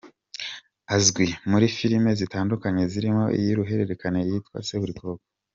Azwi muri filime zitandukanye zirimo iy’uruhererekane yitwa “Seburikoko”.